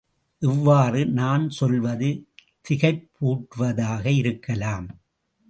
இவ்வாறு நான் சொல்வது திகைப்பூட்டுவதாக இருக்கலாம்.